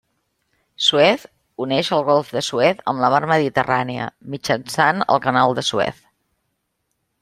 Suez uneix el golf de Suez amb la mar Mediterrània mitjançant el canal de Suez.